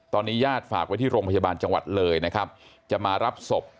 ตอนนี้ญาติฝากไว้ที่โรงพยาบาลจังหวัดเลยนะครับจะมารับศพ